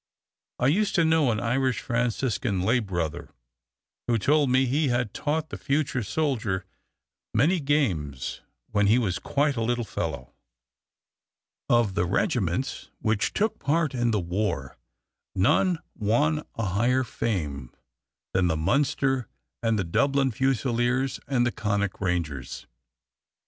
I used to know an Irish Franciscan lay brother who told me he had taught the future soldier "many games" when he was quite a little fellow. Of the regiments which took part in the war none won a higher fame than the Munster and the Dublin Fusiliers and the Connaught Rangers.